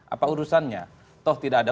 apa urusannya toh tidak ada